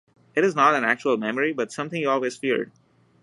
It is not an actual memory but something he always feared.